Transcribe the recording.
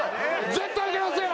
絶対いけますよ！